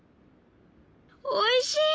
おいしい！